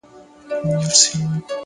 وخت د هر څه ارزښت ښيي!.